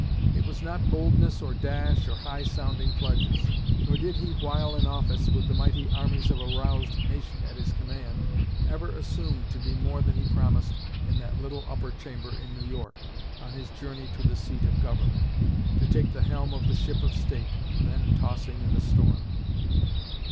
It was not boldness or dash, or high sounding pledges; nor did he while in office, with the mighty armies of a roused nation at his command, ever assume to be more than he promised in that little upper chamber in New York, on his journey to the seat of Government, to take the helm of the ship of state then tossing in the storm."